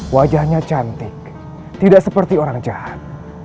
wajahnya cantik tidak seperti orang jahat